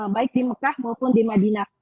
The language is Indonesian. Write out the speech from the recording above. baik di mekah maupun di madinah